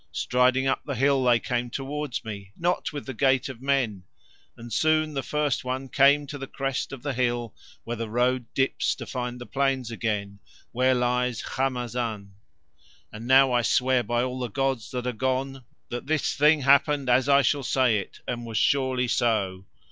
Striding up the hill they came towards me, not with the gait of men, and soon the first one came to the crest of the hill where the road dips to find the plains again, where lies Khamazan. And now I swear by all the gods that are gone that this thing happened as I shall say it, and was surely so.